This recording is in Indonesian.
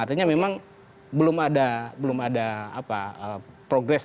artinya memang belum ada progress tersebut